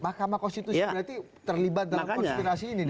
mahkamah konstitusi berarti terlibat dalam konspirasi ini